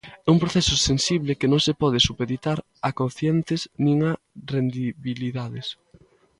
É un proceso sensible que non se pode supeditar a cocientes nin a rendibilidades.